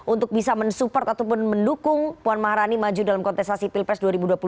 untuk bisa mensupport ataupun mendukung puan maharani maju dalam kontestasi pilpres dua ribu dua puluh empat